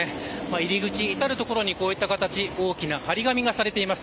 入り口、至る所にこういった形で大きな張り紙がされています。